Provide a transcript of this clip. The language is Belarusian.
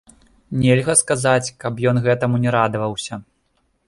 Нельга сказаць, каб ён гэтаму не радаваўся.